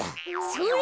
それ！